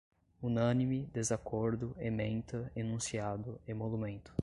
unânime, desacordo, ementa, enunciado, emolumento